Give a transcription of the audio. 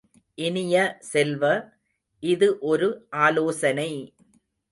இனிய செல்வ, இது ஒரு ஆலோசனை!